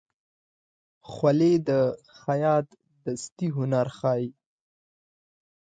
خولۍ د خیاط دستي هنر ښيي.